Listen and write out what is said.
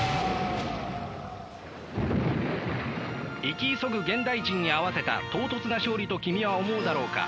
生き急ぐ現代人に合わせた唐突な勝利と君は思うだろうか。